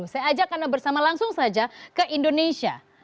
saya ajak anda bersama langsung saja ke indonesia